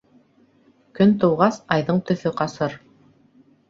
Көн тыуғас, айҙың төҫө ҡасыр.